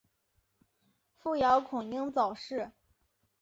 父姚孔瑛早逝。